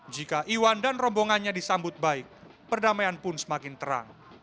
jika iwan dan rombongannya disambut baik perdamaian pun semakin terang